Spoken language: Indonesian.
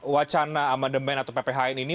wacana amandemen atau pphn ini